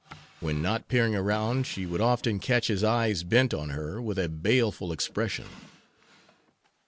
When not peering around she would often catch his eyes bent on her with a baleful expression.